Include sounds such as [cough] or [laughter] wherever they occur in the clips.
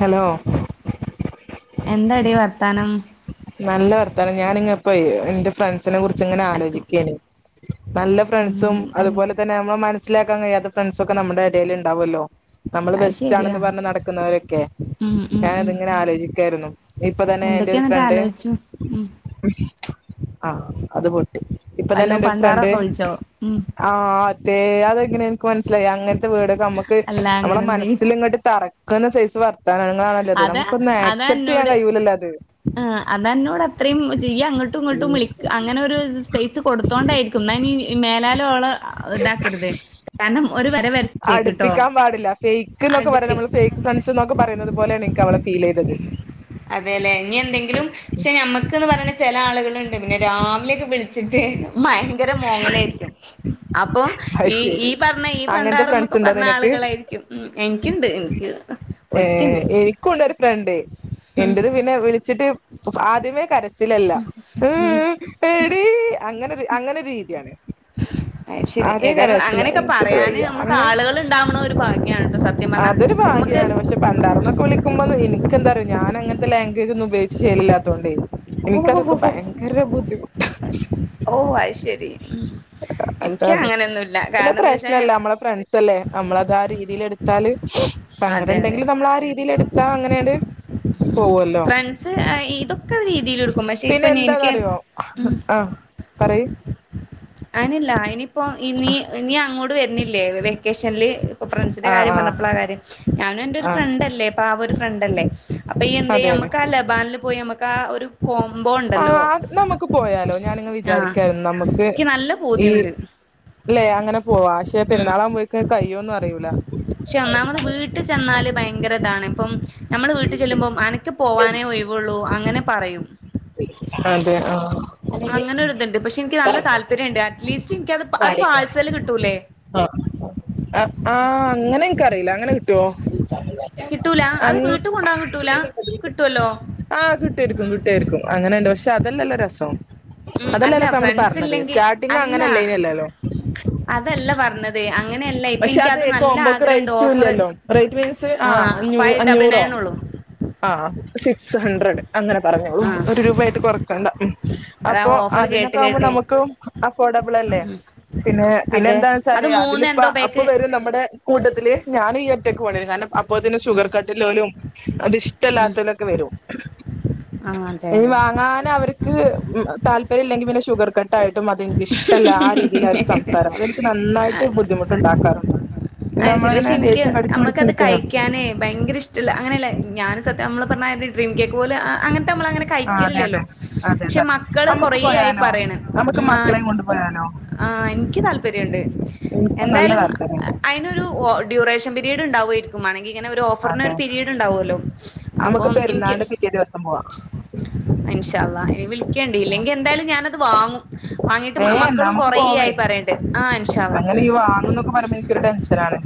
Hello എന്താടി വർത്താനം നല്ല വർത്താനം ഞാാനിങ്ങപ്പോ എന്റെ ഫ്രണ്ട് സിനെ കുറിച്ച്ങ്ങന അനക്ക് ആലോചിക്കാണ്. നല്ല ഫ്രണ്ട്സും ഉം അത് അതുപോലെ തന്നെ നമ്മ മ മൻസ്സ്ലാക്കൻ കഴിയാത്ത ഫ്രണ്ട്സൊക്കെ നമ്മ്ടെ എടേല് ഇ ണ്ടാവോല്ലോ. നമ്മള് ശരിയാ ബെസ്റ്റാണെന്ന് പറഞ്ഞ് നടക്കുന്നവരൊക്കെ ഉം ഉം ഉം ഞാനത് ങ്ങനെ ആലോചിക്കായിരുന്നു. ഇപ്പൊ തന്നെ എന്റെ ഒരു ഫ്രണ്ട് താലോയ്ച്ചും ഉം. ആ അത്പോ ഇപ്പൊ തന്നെ വല്ലോ എന്റെ ഒരു ഫ്രണ്ട് പണ്ടാറൊക്കെ വിളിച്ചോ ഉം ആ തെ അതെങ്ങനെ ക്ക്‌ മനസിലായി അങ്ങ ടൊക്കെ നമ്മുക്ക് അല്ല നമ്മളെ അങ്ങനെ എന്തെങ്കിലും മനസില് ഇങ്ങട് തറക്കണ സുവർ താരണങ്ങളാണല്ലാത അതാ നുക്കൊന്ന അതാ അക്സെപ്റ്റ് ചെയ്യാൻ എന്നോട് കഴിയുല്ല ല്ലാത് ആ അത എന്നോട് അത്രയും ചെയ്യ അങ്ങോട്ടും ഇങ്ങോട്ടും വിളി അങ്ങനെ ഒരു സ്പേസ് കൊടുത്തോണ്ടായിരിക്കും ഞാൻ മേലാലോള ഇതാക്കരുത് കാരണം ഒരു വര വരച്ചേക്കട്ടോ അടുപ്പിക്കാൻ പാടില്ല ഫേക്ക് എന്നൊക്കെ അടു പറയാം നമ്മള് ഫേക്ക് ഫ്രണ്ട്സ് എന്നൊക്കെ പറയുന്നത് പോലെയാണ് എനിക്ക് ഫീൽ ലേയ്തത് എന്തെങ്കിലും പക്ഷെ ഞമ്മക്ക്ന്ന് പറഞ്ഞുന്ന ചില ആളുകളുണ്ട് പിന്നെ രാവിലെയൊക്കെ വിളി വച്ചിട്ട് ഭയങ്കര മോങ്ങലായിരിക്കും അപ്പൊ അത് ഈ ശരി ഈ പറഞ്ഞ ഈ അങ്ങനത്തെ പണ്ടാറ ഫ്രണ്ട്സ് എന്നൊക്കെ ഉണ്ടോ പറഞ്ഞ നിനക്ക് ആളുകളായിരിക്കും ഉ എനിക്കുണ്ട് എനിക്ക് ഒരുത്തിണ്ട് രണ്ട് ഉം എന്റത് പിന്നെ വിളിച്ചിട്ട് ആദ്യവേ കര ത്തിലല്ല ഉം അങ്ങനെ അങ്ങനൊരു രീതിയാണ് അത് ശരി ആദ്യങ്ങനെ ഏതായാലും ചാരിച്ചില്ല അങ്ങനെയൊക്കെ എനക്കിത് പറയാന് വയ്യ നമുക്ക് അങ്ങനെ ആളുകൾ ഉണ്ടാവണ ഒരു ഭാഗ്യാണ് ട്ടോ സത്യം പറഞ്ഞാ അതൊരു നമുക്ക് ഭാഗ്യാണ് പക്ഷെ പണ്ടാർന്നൊക്കെ വിളിക്കുമ്പോ എനി ഇക്കെന്താറിയോ ഞാൻ അങ്ങത്തെ ലാംഗ്വേജ് ഒന്നും ഉപയോഗിച്ച് ചേലില്ലാത്തോണ്ടേ ഓ എനിക്ക് ഹോ അതൊക്കെ ഹോ ഭയങ്കര ബുദ്ധിമു ഓ അ ശരി ഉ എനിക്ക് അതാണ് അങ്ങനെയൊന്നുംല്ല കാരണം എന്താ വെച്ചാ ല്ലേ നമ്മളത് ആ രീതിൽ എടുത്താല് സങ്കടം അതെ അതെ ഉണ്ടെങ്കിലും നമ്മൾ ആ രീതിൽ എടുത്താ അങ്ങനെയാണ് ഉ ഫ്രണ്ട്സ് ഇതൊക്കെ രീതിൽ എടുക്കും പക്ഷെ പിന്നെ ഇപ്പൊ എനിക്ക് എന്താന്നറിയോ ആഹ് പറയ് അയിനല്ല അയിനി ഇപ്പൊ ഇനി ഇനി അങ്ങോട്ട് ട്ട് വരുന്നില്ലേ വെക്കേഷൻൽ ഇപ്പൊ ഫ്രണ്ട്സിന്റെ ആഹ് കാര്യം ആഹ് പറഞ്ഞപ്പോ ആ കാര്യം ഞാനും എന്റെ രു ആഹ് ഫ്രണ്ട്ല്ലേ പ്പ ആ ഒരു ഫ്രണ്ട്ല്ലേ അപ്പൊ അതെ ഇയ്യെന്തേയ്യ അതെ അമ്മക്കാലബാനില് പോയി അമ്മ ഒരു പോം ആ അത് നമുക്ക് പോയാലോ ഞാനിങ്ങ് ആഹ് വിചാരിക്കായിരുന്നു നമ്ക്ക് എനിക്ക് നല്ല ഈ പൂതിയുണ്ട് അല്ലെ അങ്ങനെ പോവാ പക്ഷെ ഉം പെരുന്നാളാവുമ്പോയിക്ക് കയ്യോന്നും അറിയില താണ് ഇപ്പം നമ്മള് വീട്ടിൽ ചെല്ലുമ്പം അനക്ക് പോവാനേ ഒഴിവുള്ളൂ അങ്ങനെ പറയും അതെ ആഹ് അങ്ങനെയൊരു ഇതുണ്ട് പക്ഷെ എനിക്ക് നല്ല താല്പര്യമുണ്ട് അറ്റ്ലീസ്റ്റ് എനിക്കത് അത് പാഴ് സല് കിട്ടൂല്ലേ ആഹ് ആഹ് അങ്ങനെ എനിക്കറിയില്ല അങ്ങനെ കിട്ടുമോ കിട്ടൂല അത് വീട്ടിൽ കൊണ്ടോവൻ കിട്ടൂല കിട്ടൂല്ലോ അങ്ങനെയുണ്ട് പക്ഷെ അതല്ലല്ലോ രസം ഉം അല്ല അതല്ലല്ലോ ഇപ്പ നമ്മള് ഫ്രണ്ട്സ് പറഞ്ഞത് ഇല്ലെങ്കിൽ സ്റ്റാർട്ടിങ് അല്ല അങ്ങനെല്ലേനല്ലല്ലോ അതല്ല പറഞ്ഞത് അങ്ങനെയല്ല ഇപ്പൊ പക്ഷെ അത് എനിക്കത് നല്ല കോമ്പോക്ക് ആഗ്രഹണ്ട് റേറ്റും ഓഫറ് ഇല്ലില്ലോ റേറ്റ് മീൻസ് ആ ആഹ് ഫൈവ് ഡബിൾ അഞ്ഞൂറോ നയൻ ഉള്ളൂ ആ സിക്സ് ഹഡ്രഡ് അങ്ങനെ പറഞ്ഞോളൂ ആഹ് ഒരു രൂപ ആയിട്ട് കൊറക്കണ്ട മ് അതാ അപ്പൊ ഓഫർ കേട്ട് അതിനൊക്കെ ആകുമ്പോൾ കേട്ടെ നമുക്കും അഫോർഡബിൾ അല്ലേ പിന്നെ പിന്നെ അതെ എന്താന്ന് അത് വെച്ചാല് അതില് മൂന്ന് അപ്പ എന്തോ അപ്പൊ പേക്ക് വരും നമ്മുടെ കൂട്ടത്തില് ഞാൻ ഈ ഒറ്റക്ക് പോണ്ടിവരും കാരണം ഇപ്പോ തന്നെ ഷുഗർ കട്ടിലലും ഉം അത്ഷ്ടമല്ലാത്തലും ഒക്കെ വരും ആഹ് അതെ ഇനി അതെ വാങ്ങാൻ അവർക്ക് താല്പര്യ ഇല്ലെങ്കിൽ പിന്നെ ഷുഗർ യിട്ടും അതെനിക്ക് ഇഷ്ടല്ല ആ രീതിയിൽ അവർ സംസാരം അതെനിക്ക് നന്നായിട്ട് ബുദ്ധിമുട്ട അ ശരി പക്ഷെ എനിക്ക് ദേഷ്യം കടിച്ചു പിടിച്ച് നമ്മുക്കത് നിൽക്കുന്നുണ്ട് കഴിക്കാനേ ഭയങ്കര ഇഷ്ടല്ല അങ്ങനെയല്ല ഞാൻ സത്യം നമ്മള് പറഞ്ഞ ഡ്രീം കേക്ക് പോലെ അങ്ങനെ നമ്മള അങ്ങനെ ആ അതെ അതെ കഴിക്കലില്ലല്ലോ അതെ പക്ഷെ സത്യം മക്കള് കൊറ നമ്മുക്ക് ആയി പോയാലോ പറയണ് നമുക്ക് ഉ ആ മക്കളെയും കൊണ്ടു പോയാലോ ആ എനിക്ക് താല്പര്യം രിണ്ട് എനിക്കും നല്ല എന്തായാലും താല്പര്യമുണ്ട് അയ്നൊരു ഡ്യൂറേഷൻ പീരിയഡ് ഇണ്ടാവും പോയിക്കുമാണങ്കിൽ ഇങ്ങനെ ഒരു ഓഫറിന് ഒരു അതെ പീരീഡ് ഉണ്ടാവല്ലോ അപ്പൊ നമുക്ക് എനിക്ക് പെരുന്നാളിന്റെ പിറ്റേ ദിവസം പോവാം ഇന്ഷാ അല്ലാഹ് വിളിക്കേണ്ട ഇല്ലെങ്കിൽ എന്തായാലും ഞാനത് വാങ്ങും വാങ്ങിട്ട് ഏ മക്കളും നമുക്ക് കൊറേ പോവേ ആയി പറയണ്ട് ആഹ് ഇൻഷാ അള്ളാ അങ്ങനെ ഈ വാങ്ങന്നൊക്കെ പറയുമ്പ എനിക്ക് കഒരു ടെൻഷനാണ്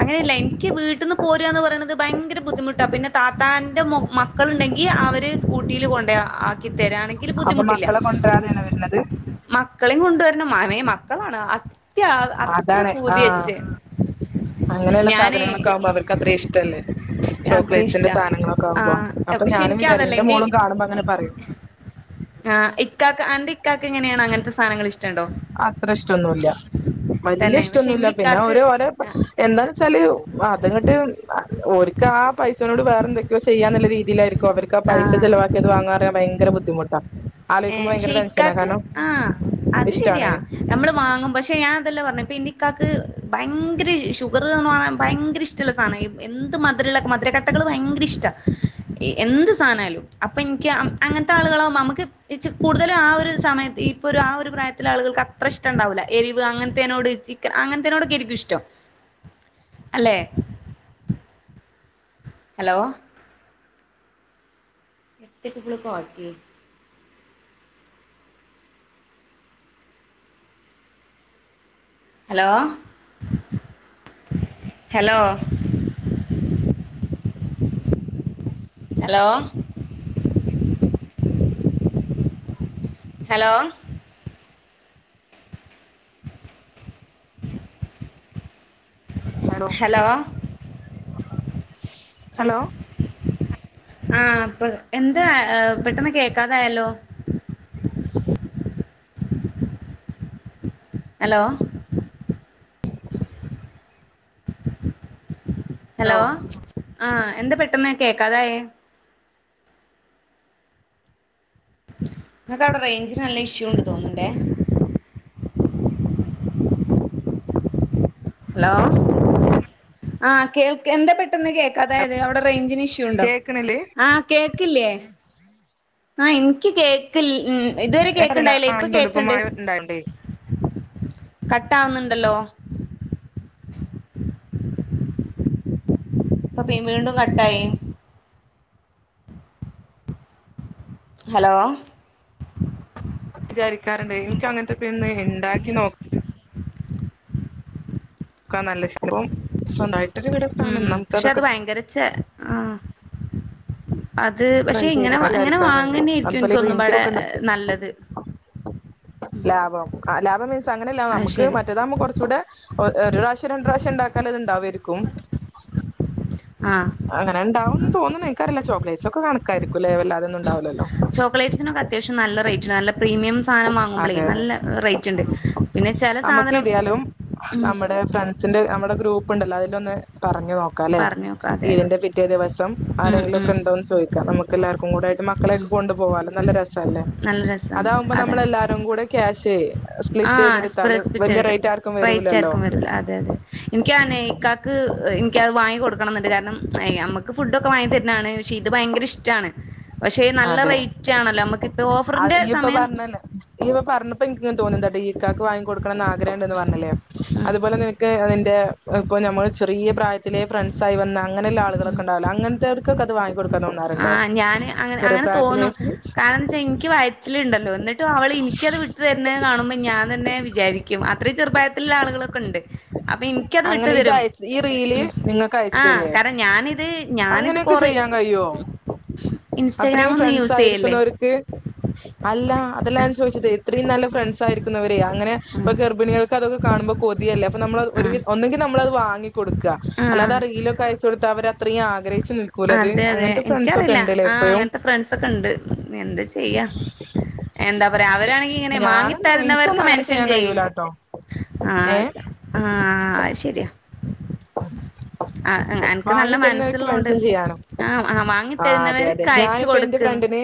അങ്ങനെയല്ല എനിക്ക് വീട്ടിൽന്ന് പോരന്ന് പറയണത് ഭയങ്കര ബുദ്ധിമുട്ടാ പിന്നെ താത്താന്റെ മോ മക്ക മക്കളുണ്ടെങ്കിൽ അവര് സ്കൂട്ടിൽ കൊ ആ [unintelligible] അപ്പൊ മക്കളെ കൊണ്ടുവരാതെയാണ് വരുന്നത് മക്കളെയും കൊണ്ടുവരുന്ന മമേ മക്കളാണ് അത്ര അതാണ് പൂതി ആഹ വെച്ച് അങ്ങനെയുള്ള സാധനങ്ങളൊക്കെ ആകുമ്പോ അവർക്ക് അത്രയും ഇഷ്ടല്ലേ അത്ര ചോക്ലേറ്റ്സിന്റെ ഇഷ്ടാ സാധനങ്ങളൊക്കെ ആ ആകുമ്പോ അപ്പൊ പക്ഷെ ഞാനും എനിക്ക് വിചാരിക്കും അതല്ല എന്റെ മോളും കാണുമ്പോ അങ്ങനെ പറയും ആ ഇക്ക ആ കാക്കക്ക് എനെയോങ്ങനത്തെ സധനങ്ങ ഇഷ്ടുണ്ടോ അത്ര ഇഷ്ടൊന്നുവില്ല വലിയ തന്നെ പക്ഷെ ഇഷ്ടൊന്നുമല്ല എന്റെ പിന്നെ ഇക്കാക്ക് ഒരു ഓര എന്താന്ന് വെച്ചാല് അതങ്ങോട്ട് ഒക്ക് ആ പൈസനോട് വേ ോ ചെയ്യാ എന്ന രീതിയിലായിരുന്നു അവക്ക് പസ ആ ചിലവാക്കിത് വാങ്ങാൻറാൻ ഭയങ്ക ബുദ്ധിമു് ത്ത ഏ ശക്കാക്ക് ആഹ അത് രി ഇഷ്ടാണ് നമ്മള് വാങ്ങും പക്ഷെ ഞാൻതല്ല പറ എക്ക് ഭയര ഭയങ്കര ഷുഗർന്ന് പറ ഭയങ്കര ഇഷ്ടുള്ള സാധനം എന്ത് മധുര മധുരക്കെട്ടകള് ഭയങ്കര ഇഷ്ട എന്ത് സാധനാലും അപ്പൊ എനിക്ക് അങ്ങനത്തെ ആളുകളാകുമ്പ നമുക്ക് ചച്ചി കൂടുതലും ആ ഒരു സമയത്ത് ഇപ്പൊ ഒരു ആ ഒരു പ്രായത്തിലെ ആളുകൾക്ക് അത്ര ഇഷ്ടം ഉണ്ടാവൂില്ല എരിവ് അങ്ങനത്തേനോട് ചിക്കൻ അങ്ങനത്തേനോടൊക്കെ ആരിക്കും ഇഷ്ടം അല്ലെ ഹലോ എത്രട്ടബളക്കവാറ്റി hello hello hello hello hello hello ആപ്പ എന്താ പെട്ടെന്ന് കേക്കാതായാലോ ഹലോ ഹലോ ആ എന്ത് പെട്ടെന്ന് കേക്കാതായെ നിങ്ങക്ക് അവിടെ റേഞ്ചിന് നല്ല ഇഷ്യൂ ഉണ്ട് തോന്നണ്ടേ ഹലോ ആ കേൾക്കാ എന്താ പെ പെട്ടന്ന് കേക്കതായത് അവിടെ റേഞ്ചിന് ഇഷ്യൂ ഉണ്ടോ കേക്കണില്ലേ ആഹ് കേക്കില്ലേ ആ എനിക്ക് കേ കേക്ക് ഇതുവരെ അറിയില്ല കേക്കണണ്ടായില്ലേ ആ ഇപ്പൊ ഇപ്പ കേക്കണണ്ട് മഴ ഉണ്ടായോണ്ടേ കട്ടാവുന്നുണ്ടല്ലോ അപ്പൊ പി വീണ്ടും കട്ടായി ഹലോ വിചാരിക്കാറുണ്ട് എനിക്ക അങ്ങനത്തെ പിന്ന് ഉണ്ടാക്കി നോക്ക ക്ക നല്ല ഇഷ്ടവും സ്വന്തവായിട്ട ഉം പക്ഷെ അത് ഭയങ്കരച്ച ആ ട്ര ഇങ്ങനെ ഇങ്ങനെ ചെയ്രിക്കാറുണ്ട് വാങ്ങന്നെയായിരിക്കും അതുപോലെ എനിക്കൊന്നും പാടെ ക്കണ്ട നല്ലത് ലാഭം ആ ലാഭം വ അങ്ങനെയല്ല അത് നമുക്ക് ശരി മറ്റതാകുമ്പോ കുറച്ച കൂടെ ഒരു പ്രശ്യം രണ്ട പ്രാവശ്യം ഉണ്ടാക്കാൻ ഇതുണ്ടാവും ക്കും ആ അങ്ങനെ ഉണ്ടാവുംന്ന് തോന്ന്ണ് ഇൻക്കറീല്ല ചോക്ലേറ്റ്സ് ക്കെണക്കാരിക്കുല്ലേ വല്ലതെന്നുൺ ചോക്ലേറ്റ്സിനൊക്കെ അത്യാവശ്യം നല്ല റേറ്റ് നല്ല പ്രീമിയം സ് സാനം വാങ്ങുമ്പളേ അതെ അതെ നല്ല റേറ്റ് ആ ഇണ്ട് പിന്നെ ചെല നമുക്ക് സാധനം ഏതായാലും ഉം ഗ്രൂപ്പിണ്ടല്ലോ അതിലൊന്ന് പ റഞ് നോക്കാല്ലേ പറഞ്ഞോക്ക അതെ അതെ ഈദിന്റെ പിറ്റേ ദിവസം ഉം ആരെങ്കിലും ഒക്കെ ഉം ഉണ്ടോന്ന് ചോദിക്കാം നമുക്ക് എല്ലർക്കും കൂടെ ആയിട്ട് ഉം മക്കളെക്കെ കൊണ്ടു പോകാല്ലോ നല്ല രസല്ലേ അല്ലേ നല്ല അതാ രസമാണ് അതെ നമ്മളല്ലാരും കൂടെ ക്യാഷേയ് ആ [unintelligible] റേറ്റ് വരൂലല്ലോ ആർക്കും വരൂല്ല അതെ അതെ ഇൻക്ക് ആനയ്ക്കാക്ക് ഇൻക്കത് വാങ്ങി കൊടുക്കണംണ്ട് കാരണം അമ്മക്ക് ഫുഡൊക്കെ വാങ്ങി തര്നാണ് പക്ഷെ ഇത് ഭയങ്കര ഇഷ്ടാണ് പക്ഷേ നല്ല റേറ്റ് ആണല്ലോ നമ്മുക്ക് ഇപ്പ ഓഫ് അഹ് ഇയ്യിപ്പൊ പറഞ്ഞല്ലേ ഇയ്യ് പർ ഞപ്പ ഇൻകിങ്ങനെ തോന്ന ന്താട്ടി ഇക്കാക്ക് വാങ്ങികൊട് ണം ന്ന് ആഗ്രഹണ്ട് ന്ന് പർഞ്ഞിലെ ഉം അത്പോലെ നിനക്ക് [unintelligible] ഇപ്പൊ നമ്മൾ ചെറിയ പ്രായത്തിലെ ഫ്രൻസായി വന്ന അങ്ങനെള്ളാളുകളൊക്കെ ഉണ്ടാവൂലെ അങ്ങൻത്തോർക്കൊക്ക ത് വാങ്ങിവാങ്ങി കൊട് ആഹ് ഞാന് അങ്ങനെ അങ്ങനെ തോന്നും കാരണംച്ചാ ഇന്ക്ക് ക്ക് വൈറ്റ്ല്ണ്ടല്ലോ ന്നിട്ടും അവള് ഇന്ക്കത് വിട്ട് തർന്നെ കാണുമ്പോ ഞാൻ തന്നെ വിചാരിക്കും അ ത്രീ ചെറുപ്രായത്തില്ള്ള ആളുകളൊക്കെണ്ട് അപ്പൊ ഇന്ക്കത് അങ്ങനെ ഇത് വിട്ടുതരും അയച്ച് ഈ റീല് ഉം നിങ്ങൾക്ക് അയച്ചു ആഹ് തരേ കാരണം ഞാനിത് ഞാനിത് അങ്ങനെയൊക്കെ കൊറെ ചെയ്യാൻ കഴിയോ ഇൻസ്റ്റാഗ്രാം അത്രയും ഒന്നും ഫ്രണ്ട്സ് യൂസ് ചെയ്യല്ലേ ആയിരിക്കുന്നോർക്ക് അല്ല അതല്ലാ ൻ ചോയ്ച്ചത്. ത്രീം നല്ല ഫ്രണ്ട്സായിരിക്കുന്നവര് അങ്ങനെ പ്പൊ ഗർഭിണികൾക്കതൊക്കെ കാണുമ്പോ കൊതിയല്ലേ അപ്പൊ നമ്മളഹ് ഒരു ആഹ് ഒന്നെങ്കിൽ നമ്മൾത് വാങ്ങിക്കൊടു ക്ക ആഹ് അല്ലാതെ ആ റീലൊക്കെ അയച്ച് കൊടുത്തവര ത്രീ ആഗ്രഹി അതെ അതെ ഇൻക്കറീല്ല ആഹ് എപ്പോഴും അങ്ങൻത്തെ ഫ്രണ്ട്സൊക്കെ ണ്ട്. എന്ത ചെയ്യാ എന്താ പറയാ അവരാണെങ്കി ഇങ്ങനെ മാങ്ങി ഞാനൊന്നും തർണവർക്ക് എനിക്കൊന്നും അങ്ങനെ മെൻഷൻ ചെയ്യാൻ ചെയ്യ് കഴിയൂലാട്ടോ ഏഹ് ആഹ് ആ അഹ്ശരിയാ. അനക്ക് നല്ല വാങ്ങി തർണവർക്ക് മനസ്സുള്ളോണ്ട് മെൻഷൻ ചെയ്യാനോ ആ വാങ്ങി ആ അതെ അതെ തരുന്നവർക്ക് അയച്ചു ഞാനിപ്പോ എന്റെ കൊടുക്ക്ന്ന് ഫ്രണ്ടിന്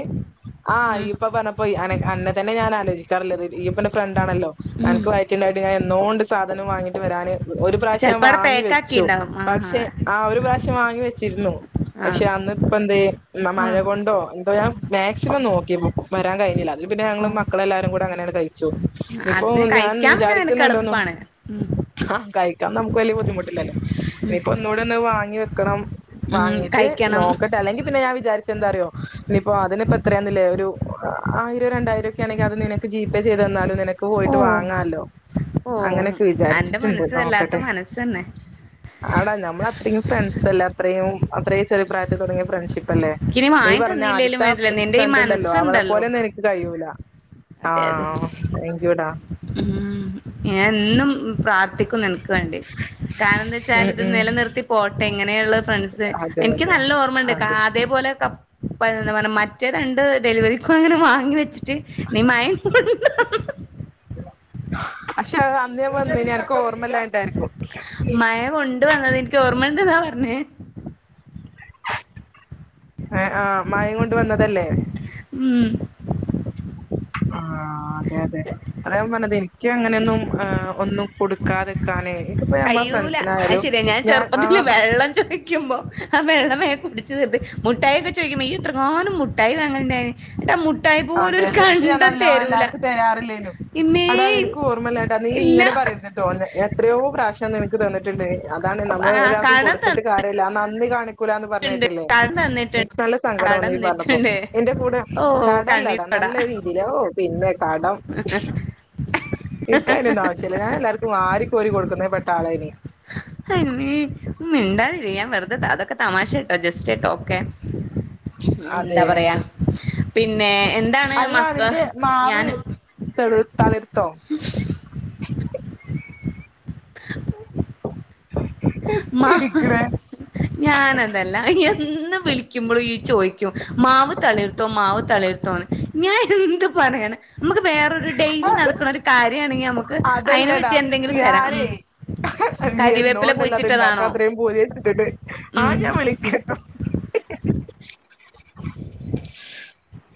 ആ ഉം ഇപ്പൊ പറഞ്ഞപ്പോ അനെ അന്നെ തന്നെ ഞാൻ ആലോയ് [unintelligible] ഇയ്യും പ്പന്റെ ഫ്രണ്ടാണല്ലോ ഉം അൻക്ക് വയറ്റിണ്ടായിട്ട് ഞാൻ എന്നോണ്ട് സാധനം വാങ്ങിട്ട് വരാന് ഒരു പ്രാവ്ശ്യം ചെലപ്പോ അവിടെ വാങ്ങി വെ ച്ചു. പേക്കാക്കിണ്ടാവും ആ പക്ഷെ ആ ഒരു പ്രാവശ്യം വാങ്ങി വെച്ചിരുന്നു. ആ പക്ഷെ അന്ന്പ്പംന്തേ ന്നാ ആ മഴ കൊണ്ടോ ന്തോ ഞാൻ മാക്സിമം നോക്കി വരാൻ കഴിണില്ല തിൽ പിന്നെ ഞങ്ങള് മക്കളെല്ലാരും കൂടെ അങ്ങനാണ്ട് കഴിച്ചു. അത് ഇപ്പോ പിന്നെ ഞാൻ കഴിക്കാൻ പിന്നെ നിനക്ക് വിചാരിക്കുന്നുണ്ടോന്നോ എളുപ്പാണ് ഉം ആ കയി ക്കാം നമുക്ക് വല്ല്യ ബുദ്ധിമുട്ടി ഉം ഇനിപ്പോ ഒന്നൂടൊന്ന് വാങ്ങി വെക്കണം ഉം വാങ്ങീട്ട് കഴിക്കണം നോക്കട്ടെ അല്ലെങ്കി പിന്നെ ഞാൻ വിചാരി ക്കെന്താറിയോ ഇനിയിപ്പോ അതിനിപ്പെത്രേന്ന്ല്ലേ ഒരു ആയിരോ രണ്ടായിരൊക്കെ ആണെങ്കി അത് നിനക്ക് ജീ പേ ചെയ്ത് തന്നാലും നിന ക്ക് ഓ പോയിട്ട് വാങ്ങാലോ ഓ അങ്ങനക്കെ അന്റെ വിചാരിച്ചിട്ട്ണ്ട് മനസ്സ് വല്ലാത്ത നോക്കട്ടെ. മനസ്സന്നെ ആണ് നമ്മളത്രക്കും ഫ്രണ്ട്സല്ലേ അത്രയും യും അത്രേം ചെറ്യേ പ്രായത്തിൽതൊടങ്ങിയ ഫ്രണ്ട്ഷിപ്പ് പ്പല്ലേ എനിക്കിനി നീ വാങ്ങി പറഞ്ഞ തന്നില്ലേലും ആദ്യത്ത വേണ്ടില്ല നിന്റെ ഈ ഫ്രണ്ട് ണ്ടല്ലോ മനസ്സുണ്ടല്ലോ അവളെപ്പോലെന്നും എനിക്ക് കയ്യൂല അതെ അതെ ആതാങ്ക് യു ട ഉം ഞൻ എന്നും പ്രാർ ത്തിക്കും നിൻക്ക് വേണ്ടി കാരണം ന്താച്ചാൽ ഉം ഇത് ഉം നിലനിർത്തി പോട്ടെ ഇങ്ങനെയുള്ള ഫ്രണ്ട്സ് അതെ എനിക്ക് അതെ നല്ല ഓർമ്മണ്ട് കാ അതെ അതേപോലെക്ക് [unintelligible] റ്റേ രണ്ട് ഡെലിവറി ക്ക അങ്ങനെ വാങ്ങി വെച്ചിട്ട് നീ മയ പക്ഷെ അന്നേ വന്നെനു അനക്ക് ഓർമല്ലന് ട്ടാര്ക്കും മഴ കൊണ്ട് വന്നത് എനിക്ക് ഓർമ്മണ്ടെന്നാ പറഞ്ഞേ ആ മയേം കൊണ്ട് വന്നതല്ലേ മ്മ് ആ അതെ അതെ അത ഞാൻ പറഞ്ഞത് എനിക്ക് അങ്ങനെയൊന്നും ഒന്നും കൊടുക്കാതിക്കാനെ കയൂല അയ് ശരിയാ ഞാൻ ആ ചെറുപ്പത്തില് വെള്ളം ചൊയ്ക്കുമ്പോ ആ വെള്ളമയെ കുടിച്ച് തീർത്ത് മുട്ടായി ഒക്കെ ചോയ്ക്കുമ്പോ ഇയ്യ് എത്രങ്ങാനും മുട്ടായി വാങ്ങൽണ്ടായ്ന് ന്ന്ട്ടാ മു അതെ അതെ പക്ഷെ ഞാൻ നല്ലഭാഗം എല്ലാർക്കും തരാറില്ലേനു ഇമ്മേ അതാ നിനക്ക് ഓർമ്മല്ലായിട്ടാ നീ ഇല്ല ഇങ്ങനെ പറേര്ത്ട്ടോ എത്രയോ പ്രാവശ്യം നിന ക്ക് തന്നിട്ടുണ്ട് അതാണ് നമ്മള് ആ ഒരാക്കും കടം കൊടുത്തിട്ട് കാര്യല്ല ന് ഇന്ന് കാണി ക്കൂലാന്ന് തന്നിട്ടുണ്ട് പറഞ്ഞേട്ടില്ലേ കടം എ തന്നിട്ടുണ്ട് ക്സല്ലെ കടം സങ്കടംവന്ന് പറഞ്ഞപ്പോ തന്നിട്ടുണ്ട് എന്റെ കൂടെ ഓ ഇടല്ലടാ കണ്ണീരോട നല്ല രീതിയില ഔ പിന്നെ കടം ഇക്കയിന്റോന്നും ആവശ്യല്ല ഞാൻ എല്ലാർക്കും ആര് കോരി കൊടുക്കുന്നേ പെട്ട ആളന് അമ്മേ മിണ്ടാതിരി ഞാൻ വെറുതെ തതക്കെ തമാശെട്ടോ ജസ് റ്റെ ട്ടോ ഓക്കെ എന്താ അതെ പറയാ പിന്നെ എന്താണ് അല്ല മക്ക നിന്റെ ഞാന് ത്ത ഉ അ ഞാന എന്തല്ല ഇ ഇന്ന് വിളിക്കുമ്പോഴും ഈ ചോയ് മാവ് തളിർത്തോ മാവ് തളിർത്തോന്ന് ഞൻ എ എന്ത്ാ പറയാണ് നമുക്ക് വേറരു ഡെ നടക്ക കാര്യണങ്ക നമക്ക് അതിനെ അതല്ലടാ പറ്റി എന്തെങ്കിലും തരാം ഞാനേ കവപ്പ പോയി അത്ണ്ടാക്ക അത്രേയും പോലെത്തിട്ടുണ്ട് ആ ഉം ഞാൻ വിളിക്കട്ടോ [unintelligible]